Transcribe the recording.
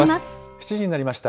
７時になりました。